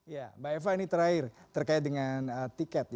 ya mbak eva ini terakhir terkait dengan tiket